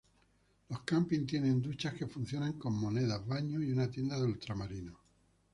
Los camping tienen duchas que funcionan con monedas, baños y una tienda de ultramarinos.